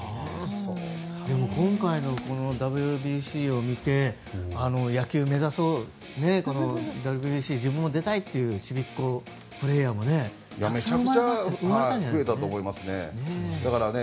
今回のＷＢＣを見て野球を目指そうとＷＢＣ自分も出たいというちびっ子のプレーヤーもたくさん生まれたんじゃないですかね。